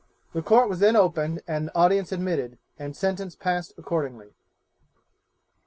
The Court was then opened and audience admitted, and sentence passed accordingly.